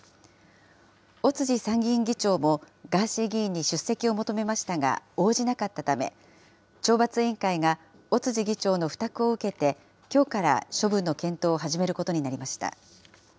尾辻参議院議長もガーシー議員に出席を求めましたが、応じなかったため、懲罰委員会が尾辻議長の付託を受けて、きょうから処分の検討を始めることになりました。